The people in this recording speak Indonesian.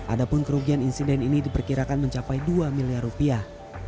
adapun kerugian insiden ini diperkirakan mencapai dua miliar rupiah